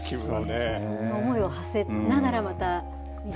思いをはせながら、また。